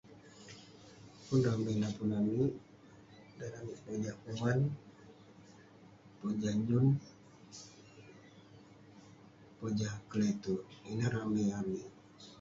Pun ramey napun amik, dan amik pojah kuman, pojah nyun, pojah keleterk. Ineh ramey amik.